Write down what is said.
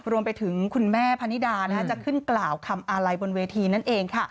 รวมไปถึงคุณแม่พนิดาจะขึ้นกล่าวคำอาลัยบนเวทีนั่นเองค่ะ